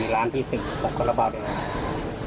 ร้านที่สุดของฝาคาราบาลแดง